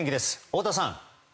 太田さん。